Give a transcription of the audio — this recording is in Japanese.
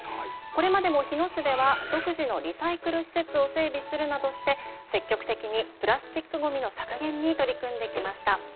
これまでも日野市では独自のリサイクル施設を整備するなどして積極的にプラスチックごみの削減に取り組んできました。